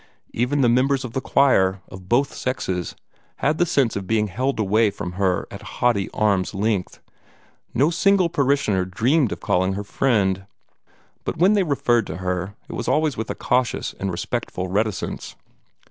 Even the members of the choir, of both sexes, had the sense of being held away from her at haughty arm's length. No single parishioner dreamed of calling her friend. But when they referred to her, it was always with a cautious and respectful reticence.